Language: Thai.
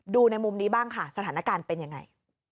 ดูในมุมนี้บ้างค่ะสถานการณ์เป็นยังไง